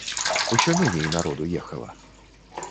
Усё меней народу ехала.